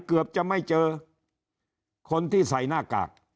เกือบจะไม่เจอคนที่ใส่หน้ากาก